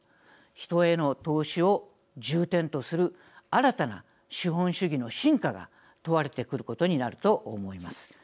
人への投資を重点とする新たな資本主義の真価が問われてくることになると思います。